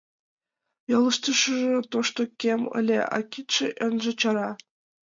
Йолыштыжо тошто кем ыле, а кидше, оҥжо — чара.